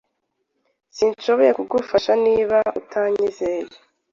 Sinshobora kugufasha niba utanyizeye.